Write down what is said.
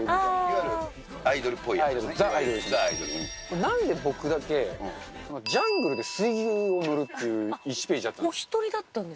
なんで僕だけジャングルで水牛を乗るっていう１ページだったんです。